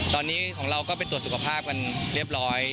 ตอนนี้ของเราก็ไปตรวจสุขภาพกันเรียบร้อย